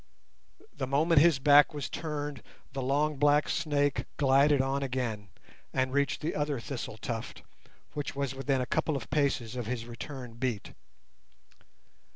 The moment his back was turned the long black snake glided on again, and reached the other thistle tuft, which was within a couple of paces of his return beat.